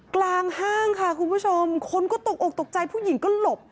ห้างค่ะคุณผู้ชมคนก็ตกอกตกใจผู้หญิงก็หลบ